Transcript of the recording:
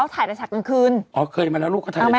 ถึงเช้าเลย